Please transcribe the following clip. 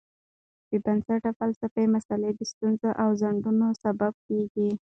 بېبنسټه فلسفي مسایل د ستونزو او خنډونو سبب کېږي.